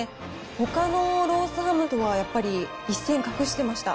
ほかのロースハムとは、やっぱり一線画してました。